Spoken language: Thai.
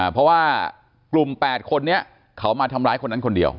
เพราะว่ากลุ่ม๘คนนี้เขามาทำร้ายคนนั้นคนเดียว